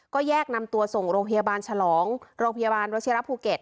ก็แยกนำตัวส่งโรงพยาบาลฉลองโรงพยาบาลวัชิระภูเก็ต